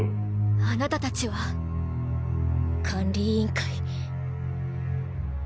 あなたたちは。管理委員会。